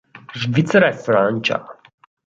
Svizzera e Francia.